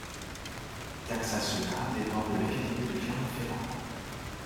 Taxat-Senat dépend de l'académie de Clermont-Ferrand.